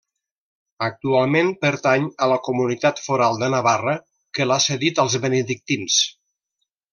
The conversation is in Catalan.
Actualment pertany a la Comunitat Foral de Navarra que l'ha cedit als benedictins.